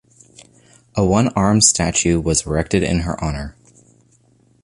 A one-armed statue was erected in her honor.